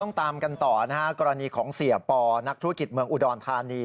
ตามกันต่อนะฮะกรณีของเสียปอนักธุรกิจเมืองอุดรธานี